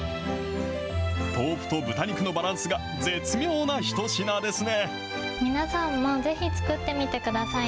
豆腐と豚肉のバランスが絶妙な一品ですね。